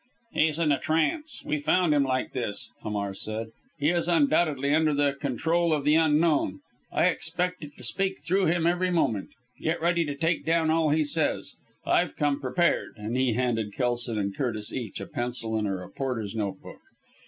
"He's in a trance. We found him like this," Hamar said. "He is undoubtedly under the control of the Unknown. I expect it to speak through him every moment. Get ready to take down all he says. I've come prepared," and he handed Kelson and Curtis, each, a pencil and a reporter's notebook.